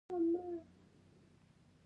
او کومه ميوه دانه چې پکښې وي.